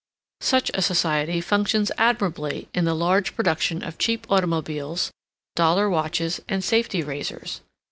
Such a society functions admirably in the large production of cheap automobiles, dollar watches, and safety razors.